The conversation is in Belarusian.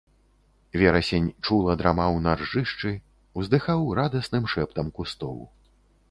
Верасень чула драмаў на ржышчы, уздыхаў радасным шэптам кустоў.